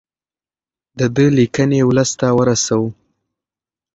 د ده لیکنې ولس ته ورسوو.